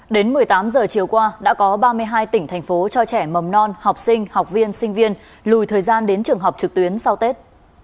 đến một mươi tám giờ chiều qua đã có ba mươi hai tỉnh thành phố cho trẻ mầm non học sinh học viên sinh viên lùi thời gian đến trường học trực tuyến sau tết